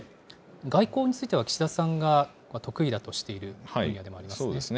外交については岸田さんが得意だとしている分野となりますね。